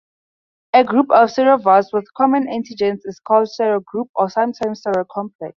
A group of serovars with common antigens is called a serogroup or sometimes "serocomplex".